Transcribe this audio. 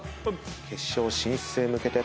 決勝進出へ向けて。